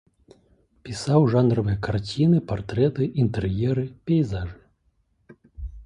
Пісаў жанравыя карціны, партрэты, інтэр'еры, пейзажы.